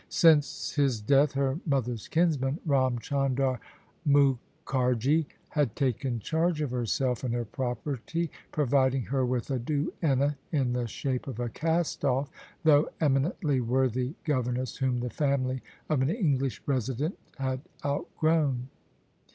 Since his death her mother's kinsman. Ram Chandar Mukharji, had taken charge of herself and her property, providing her with a duenna in the shape of a cast off, though eminently worthy governess whom the family of an English Resident had outgrown.